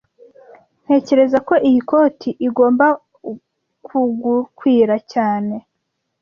Ntekereza ko iyi koti igomba kugukwira cyane